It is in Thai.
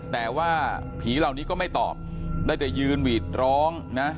แต่ว่าผีเหล่านี้ก็ไม่ตอบได้แต่ยืนหวีดร้องนะ